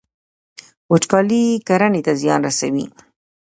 وچکالي کرنې ته زیان رسوي.